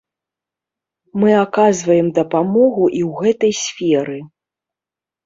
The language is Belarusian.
Мы аказваем дапамогу і ў гэтай сферы.